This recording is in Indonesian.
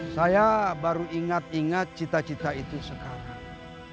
saya baru ingat ingat cita cita itu sekarang